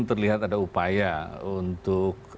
terlihat ada upaya untuk